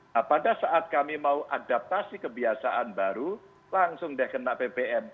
nah pada saat kami mau adaptasi kebiasaan baru langsung deh kena ppm